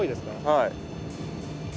はい。